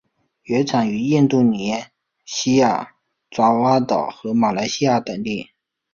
原产于印度尼西亚爪哇岛和马来西亚等地。